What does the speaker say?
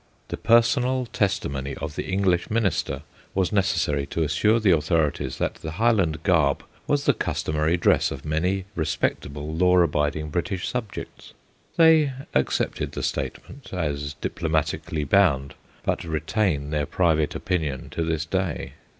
The personal testimony of the English Minister was necessary to assure the authorities that the Highland garb was the customary dress of many respectable, law abiding British subjects. They accepted the statement, as diplomatically bound, but retain their private opinion to this day.